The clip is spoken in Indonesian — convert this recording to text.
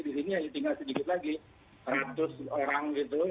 di sini ya tinggal sedikit lagi seratus orang gitu